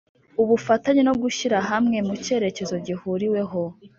Ubufatanye no Gushyira hamwe mu cyerekezo gihuriweho